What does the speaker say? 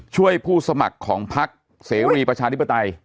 ผู้สมัครของพักเสรีประชาธิปไตย